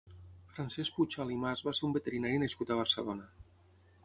Francesc Puchal i Mas va ser un veterinari nascut a Barcelona.